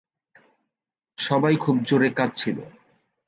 সবাই খুব জোরে কাঁদছিল।